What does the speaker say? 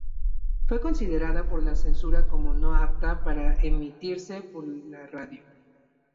Fue considerada por la censura como no apta para emitirse por la radio.